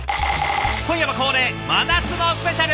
今夜は恒例真夏のスペシャル！